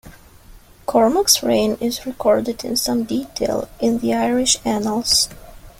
Cormac's reign is recorded in some detail in the Irish annals.